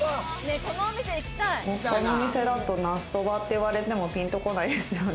他のお店だと、なすそばって言われてもピンとこないですよね。